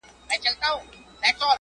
شمع نه په زړه کي دښمني لري.!